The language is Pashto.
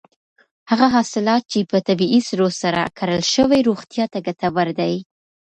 هغه حاصلات چې په طبیعي سرو سره کرل شوي روغتیا ته ګټور دي.